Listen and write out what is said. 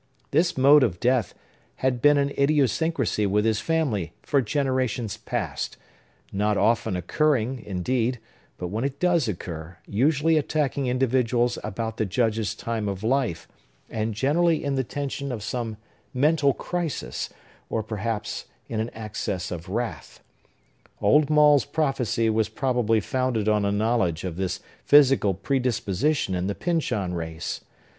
This mode of death had been an idiosyncrasy with his family, for generations past; not often occurring, indeed, but, when it does occur, usually attacking individuals about the Judge's time of life, and generally in the tension of some mental crisis, or, perhaps, in an access of wrath. Old Maule's prophecy was probably founded on a knowledge of this physical predisposition in the Pyncheon race.